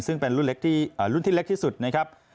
รุ่นที่เล็กที่สุดนะครับ